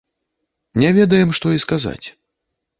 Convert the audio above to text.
Не ведаем, што і сказаць.